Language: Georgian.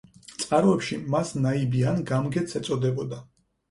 წყაროებში მას ნაიბი ან გამგეც ეწოდებოდა.